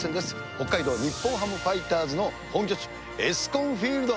北海道日本ハムファイターズの本拠地、エスコンフィールド。